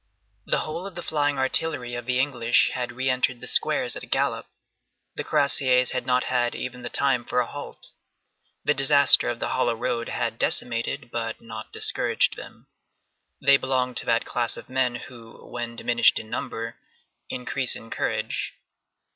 The whole of the flying artillery of the English had re entered the squares at a gallop. The cuirassiers had not had even the time for a halt. The disaster of the hollow road had decimated, but not discouraged them. They belonged to that class of men who, when diminished in number, increase in courage.